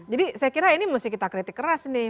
jadi saya kira ini mesti kita kritik keras nih